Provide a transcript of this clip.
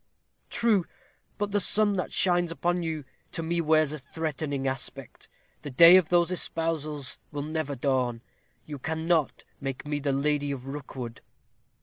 "True; but the sun that shines upon you, to me wears a threatening aspect. The day of those espousals will never dawn. You cannot make me the Lady of Rookwood."